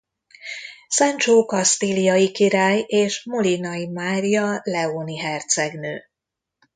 Sancho kasztíliai király és Molina-i Mária leóni hercegnő.